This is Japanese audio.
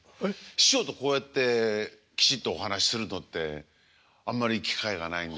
師匠とこうやってきちっとお話しするのってあんまり機会がないんで。